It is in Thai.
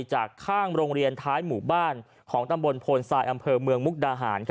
จากข้างโรงเรียนท้ายหมู่บ้านของตำบลโพนทรายอำเภอเมืองมุกดาหาร